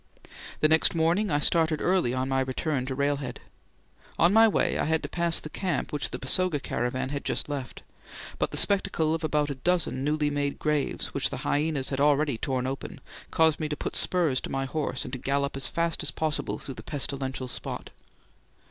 The next morning I started early on my return to railhead. On my way I had to pass the camp which the Basoga caravan had just left, but the spectacle of about a dozen newly made graves which the hyenas had already torn open caused me to put spurs to my horse and to gallop as fast as possible through the pestilential spot.